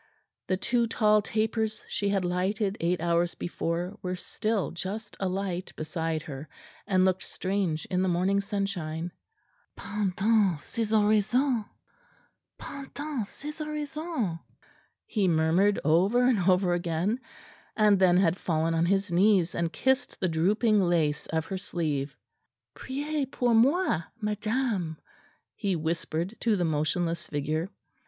The two tall tapers she had lighted eight hours before were still just alight beside her, and looked strange in the morning sunshine. "Pendant ses oraisons! pendant ses oraisons!" he murmured over and over again; and then had fallen on his knees and kissed the drooping lace of her sleeve. "Priez pour moi, madame," he whispered to the motionless figure.